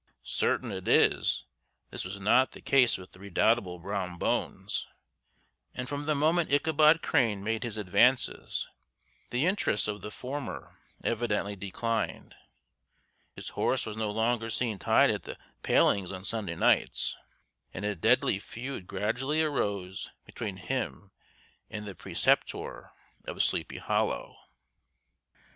Certain it is, this was not the case with the redoubtable Brom Bones; and from the moment Ichabod Crane made his advances, the interests of the former evidently declined; his horse was no longer seen tied at the palings on Sunday nights, and a deadly feud gradually arose between him and the preceptor of Sleepy Hollow.